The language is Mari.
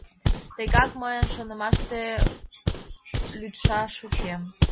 Тегак, мыйын шонымаште, лӱдшаш уке.